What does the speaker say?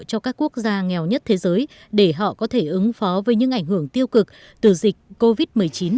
cho các quốc gia nghèo nhất thế giới để họ có thể ứng phó với những ảnh hưởng tiêu cực từ dịch covid một mươi chín